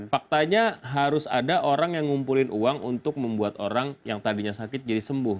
faktanya harus ada orang yang ngumpulin uang untuk membuat orang yang tadinya sakit jadi sembuh